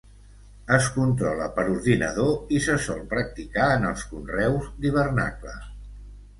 Es controla per ordinador i se sol practicar en els conreus d'hivernacle.